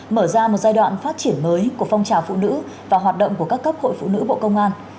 mở ra một giai đoạn phát triển mới của phong trào phụ nữ và hoạt động của các cấp hội phụ nữ bộ công an